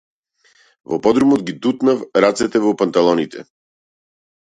Во подрумот ги тутнав рацете во панталоните.